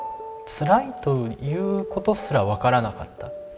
つらいということすら分からなかった。